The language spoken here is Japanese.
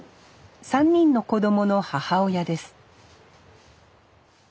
３人の子供の母親です